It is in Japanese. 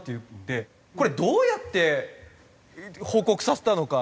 これどうやって報告させたのか。